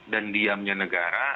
dan diamnya negara